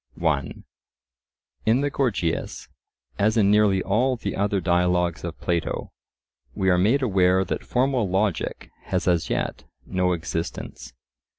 (1) In the Gorgias, as in nearly all the other dialogues of Plato, we are made aware that formal logic has as yet no existence.